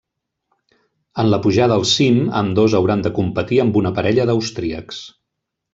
En la pujada al cim ambdós hauran de competir amb una parella d'austríacs.